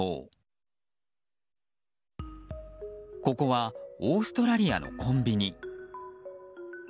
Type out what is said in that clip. ここはオーストラリアのコンビニ。